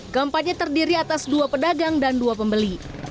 keempatnya terdiri atas dua pedagang dan dua pembeli